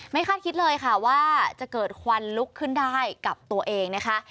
คาดคิดเลยค่ะว่าจะเกิดควันลุกขึ้นได้กับตัวเองนะคะ